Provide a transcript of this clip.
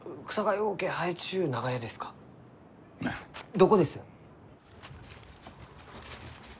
どこです？